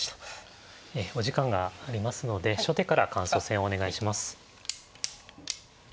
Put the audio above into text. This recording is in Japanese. お時間がありますので初手から感想戦お願いします。